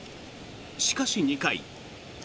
しかし、２回。